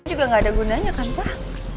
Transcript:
ini juga gak ada gunanya kan pak